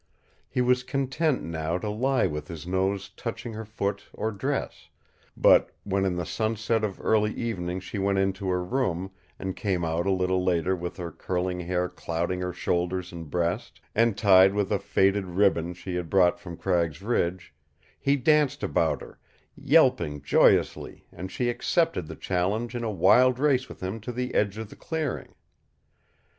He was content now to lie with his nose touching her foot or dress; but when in the sunset of early evening she went into her room, and came out a little later with her curling hair clouding her shoulders and breast, and tied with a faded ribbon she had brought from Cragg's Ridge, he danced about her, yelping joyously, and she accepted the challenge in a wild race with him to the edge of the clearing.